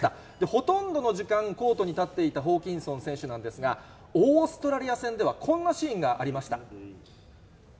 ほとんどの時間、コートに立っていたホーキンソン選手なんですが、オーストラリア戦ではこんなシーンがありました。